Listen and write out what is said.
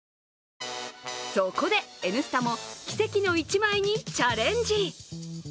そこで、「Ｎスタ」も奇跡の一枚にチャレンジ。